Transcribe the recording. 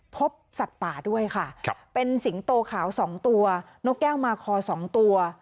พบสัตว์ป่าด้วยค่ะเป็นสิงโตขาว๒ตัวนกแก้วมาคอ๒ตัว